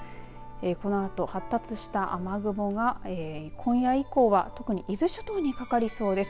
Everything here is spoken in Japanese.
このあと発達した雨雲が今夜以降は特に伊豆諸島にかかりそうです。